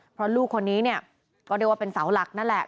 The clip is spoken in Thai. เพราะลูกคนนี้เนี่ยก็เรียกว่าเป็นเสาหลักนั่นแหละ